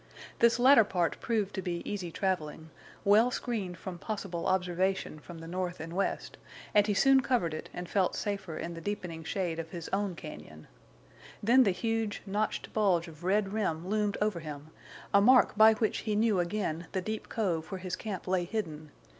This latter part proved to be easy traveling, well screened from possible observation from the north and west, and he soon covered it and felt safer in the deepening shade of his own cañon. Then the huge, notched bulge of red rim loomed over him, a mark by which he knew again the deep cove where his camp lay hidden.